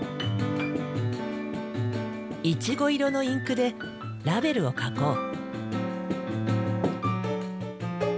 イチゴ色のインクでラベルを書こう。